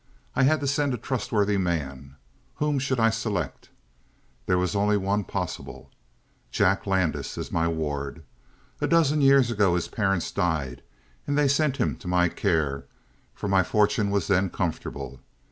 I had to send a trustworthy man. Whom should I select? There was only one possible. Jack Landis is my ward. A dozen years ago his parents died and they sent him to my care, for my fortune was then comfortable.